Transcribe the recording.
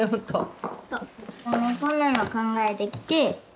こんなの考えてきて。